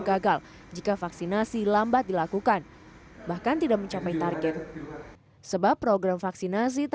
gagal jika vaksinasi lambat dilakukan bahkan tidak mencapai target sebab program vaksinasi